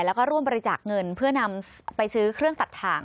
แล้วก็ร่วมบริจาคเงินเพื่อนำไปซื้อเครื่องตัดถ่าง